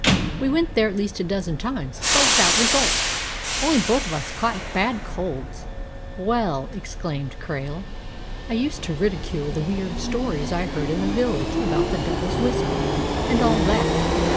We went there at least a dozen times, but without result; only both of us caught bad colds." "Well," exclaimed Krail, "I used to ridicule the weird stories I heard in the village about the Devil's Whisper, and all that.